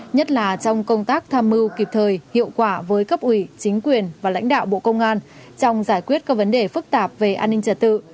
nhất là trong công tác tham mưu kịp thời hiệu quả với cấp ủy chính quyền và lãnh đạo bộ công an trong giải quyết các vấn đề phức tạp về an ninh trật tự